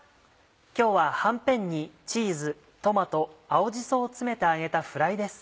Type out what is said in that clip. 今日ははんぺんにチーズトマト青じそを詰めて揚げたフライです。